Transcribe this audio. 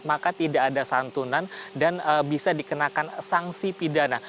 maka tidak ada santunan dan bisa dikenakan sanksi pidana